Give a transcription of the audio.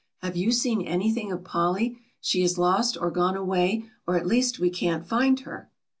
"Have you seen anything of Polly? She is lost or gone away or at least we can't find her!"